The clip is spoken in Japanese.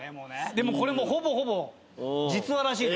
でもこれほぼほぼ実話らしいですよ。